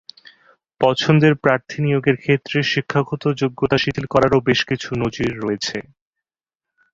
পছন্দের প্রার্থী নিয়োগের ক্ষেত্রে শিক্ষাগত যোগ্যতা শিথিল করারও বেশ কিছু নজির রয়েছে।